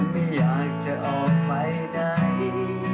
ไม่อยากจะออกไปไหน